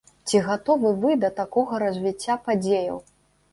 Ці гатовы вы да такога развіцця падзеяў?